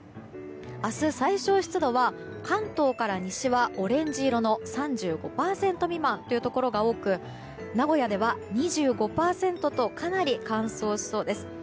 明日、最小湿度は関東から西はオレンジ色の３５％未満というところが多く名古屋では２５％とかなり乾燥しそうです。